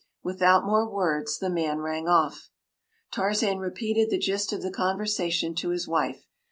” Without more words the man rang off. Tarzan repeated the gist of the conversation to his wife.